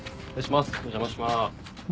お邪魔します。